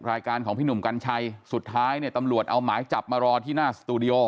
รายการของพี่หนุ่มกัญชัยสุดท้ายเนี่ยตำรวจเอาหมายจับมารอที่หน้าสตูดิโอ